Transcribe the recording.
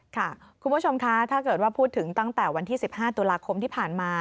ค่ะคุณผู้ชมคะถ้าเกิดว่าพูดถึงตั้งแต่วันที่๑๕ตุลาคมที่ผ่านมา